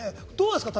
どうですか？